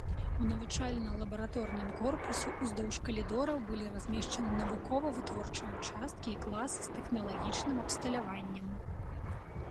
У навучальна-лабараторным корпусе ўздоўж калідораў былі размешчаны навучальна-вытворчыя ўчасткі і класы з тэхналагічным абсталяваннем.